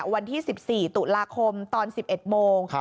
วันที่๑๔ตุลาคมตอน๑๑โมง